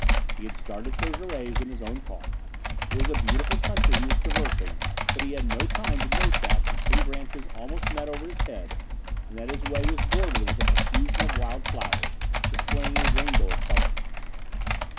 He had started for Jouret's in his own car. It was a beautiful country he was traversing, but he had no time to note that the tree branches almost met over his head and that his way was bordered with a profusion of wild flowers, displaying a rainbow of colors.